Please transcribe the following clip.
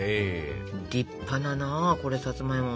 立派だなこれさつまいも。